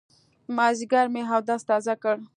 مازيګر مې اودس تازه کړ.